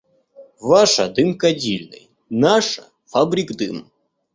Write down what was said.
Ваша — дым кадильный, наша — фабрик дым.